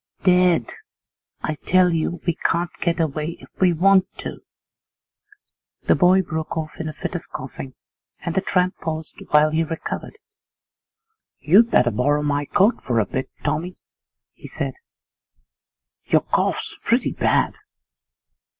Dead! I tell you we can't get away if we want to.' The boy broke off in a fit of coughing, and the tramp paused while he recovered. 'You'd better borrow my coat for a bit, Tommy,' he said, 'your cough's pretty bad.